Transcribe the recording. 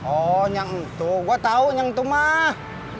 oh nyangtu gue tau nyangtu mah